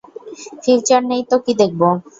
Future নেই তো কী দেখব!